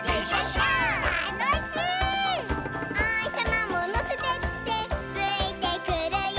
「おひさまものせてってついてくるよ」